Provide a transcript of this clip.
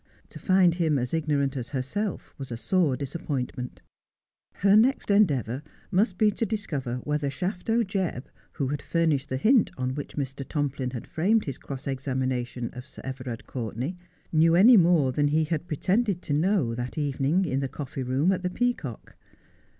To find him as ignorant as herself was a sore disappointment. Shafto Jebb is sent for. 177 Her next endeavour must be to discover whether Shafto Jebb, who had furnished the hint on which Mr. Tomplin had framed his cross examination of Sir Everard Courtenay, knew any more than he had pretended to know that evening in the coffee room at the ' Peacock.'